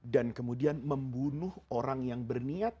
dan kemudian membunuh orang yang berniat